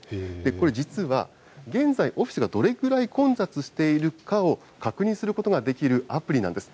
これ、実は現在、オフィスがどれぐらい混雑しているかを確認することができるアプリなんです。